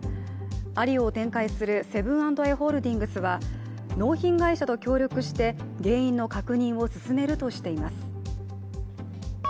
アリオを展開するセブン＆アイ・ホールディングスは納品会社と協力して、原因の確認を進めるとしています。